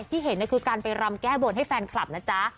ที่เห็นคือการไปรำแก้บนให้แฟนคลับนะจ๊ะ